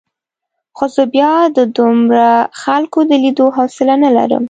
خو زه بیا د دومره خلکو د لیدو حوصله نه لرم.